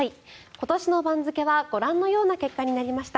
今年の番付はご覧のような結果になりました。